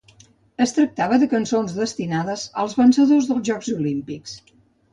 Es tractava de cançons destinades als vencedors dels jocs olímpics.